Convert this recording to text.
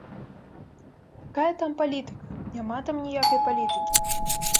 Якая там палітыка, няма там ніякай палітыкі.